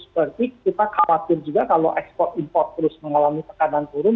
seperti kita khawatir juga kalau ekspor import terus mengalami tekanan turun